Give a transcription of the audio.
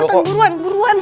udah cepetan buruan buruan